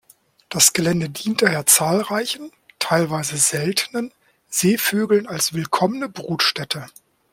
Das Gelände dient daher zahlreichen, teilweise seltenen, Seevögeln als willkommene Brutstätte.